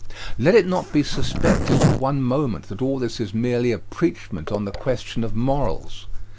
Let it not be suspected for one moment that all this is merely a preachment on the question of morals.